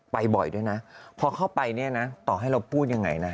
บ่อยด้วยนะพอเข้าไปเนี่ยนะต่อให้เราพูดยังไงนะ